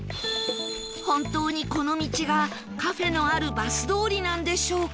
本当にこの道がカフェのあるバス通りなんでしょうか？